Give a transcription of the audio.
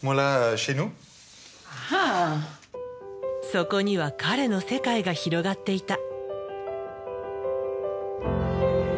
そこには彼の世界が広がっていた。